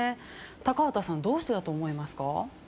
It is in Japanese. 高畑さんどうしてだと思いますか？